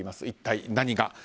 一体、何が。